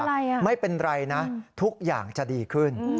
อะไรอ่ะไม่เป็นไรนะทุกอย่างจะดีขึ้น